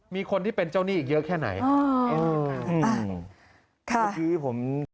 มีคนที่เป็นเจ้าหนี้อีกเยอะแค่ไหน